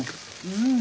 うん！